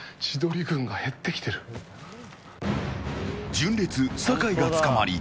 純烈、酒井が捕まり